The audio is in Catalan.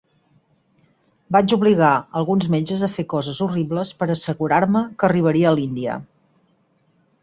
Vaig obligar alguns metges a fer coses horribles per assegurar-me que arribaria a l'Índia.